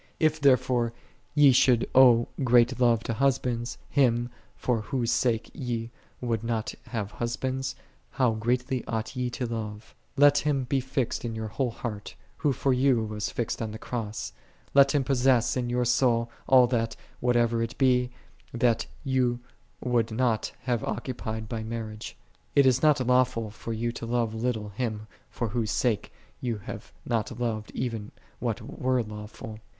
If therefore ye should owe great love to husbands, Him, for Whose sake ye would not have husbands, how greatly ought ye to love ? Let Him be fixed in your whole heart, Who for you was fixed on the Cross: let Him possess in your soul all that, whatever it be, that ye would not have occu pied by marriage. It is not lawful for you to love little Him, for Whose sake ye have not oved even what were lawful.